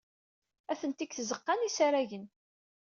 Atenti deg tzeɣɣa n yisaragen.